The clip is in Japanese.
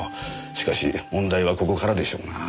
しかし問題はここからでしょうなぁ。